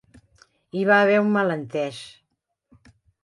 Hi va haver un malentès.